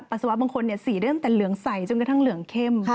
สวะบางคนสีเริ่มแต่เหลืองใสจนกระทั่งเหลืองเข้ม